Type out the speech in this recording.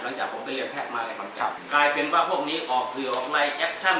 หลังจากผมไปเรียนแพทย์มาในบังคับกลายเป็นว่าพวกนี้ออกสื่อออกในแอปชั่น